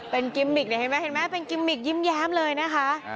เป็นกิมมิกเนี่ยเห็นไหมเห็นไหมเป็นกิมมิกยิ้มแย้มเลยนะคะ